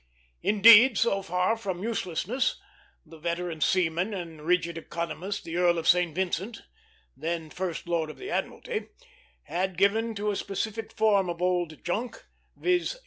Indeed, so far from uselessness, that veteran seaman and rigid economist, the Earl of St. Vincent, when First Lord of the Admiralty, had given to a specific form of old junk viz.